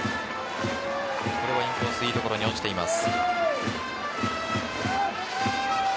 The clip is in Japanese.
これはインコースいい所に落ちています。